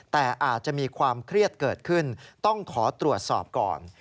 แต่อาจจะมีความเครียดเกิดขึ้นต้องขอตรวจสอบก่อน